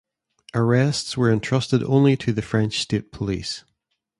Arrests were entrusted only to the French state police.